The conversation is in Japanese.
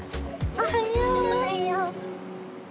おはよう！